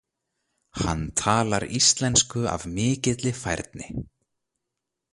Hann talar íslensku af mikilli færni.